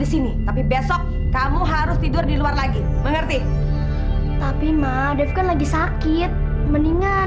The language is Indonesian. di sini tapi besok kamu harus tidur di luar lagi mengerti tapi malah dave kan lagi sakit mendingan